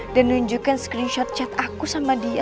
dan nunjukin screenshot chat aku sama dia